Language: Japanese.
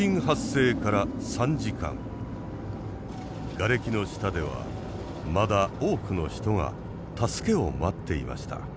がれきの下ではまだ多くの人が助けを待っていました。